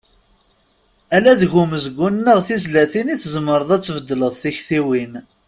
Ala deg umezgun neɣ tizlatin i tzemreḍ ad tbeddleḍ tiktiwin.